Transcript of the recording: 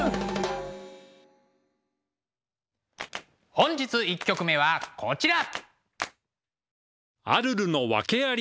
本日１曲目はこちら。